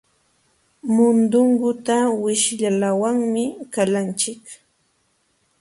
Mundunguta wishlawanmi qalanchik.